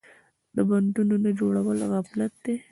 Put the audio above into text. د بندونو نه جوړول غفلت دی.